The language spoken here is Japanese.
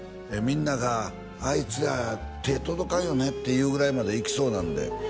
みんなが「あいつら手届かんよね」って言うぐらいまでいきそうなんで